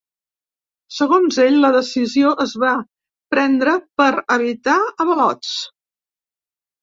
Segons ell, la decisió es va prendre per evitar avalots.